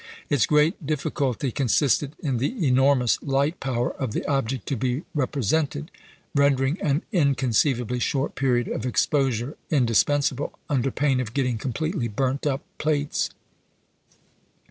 Its great difficulty consisted in the enormous light power of the object to be represented, rendering an inconceivably short period of exposure indispensable, under pain of getting completely "burnt up" plates.